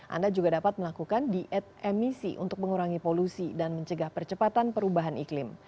anda juga dapat melakukan diet emisi untuk mengurangi polusi dan mencegah percepatan perubahan iklim